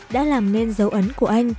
đã làm nên dấu ấn của anh